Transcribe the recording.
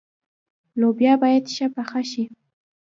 لوبیا باید ښه پخه شي.